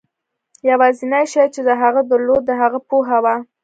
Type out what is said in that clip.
یوازېنی شی چې هغه درلود د هغه پوهه وه.